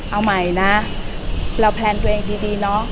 เอาใหม่นะเราแพลนตัวเองดีเนาะ